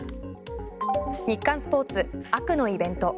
日刊スポーツ、悪のイベント。